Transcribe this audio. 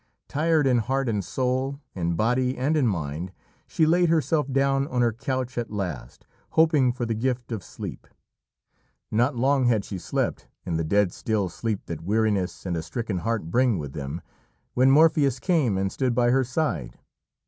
Tired in heart and soul, in body and in mind, she laid herself down on her couch at last, hoping for the gift of sleep. Not long had she slept, in the dead still sleep that weariness and a stricken heart bring with them, when Morpheus came and stood by her side.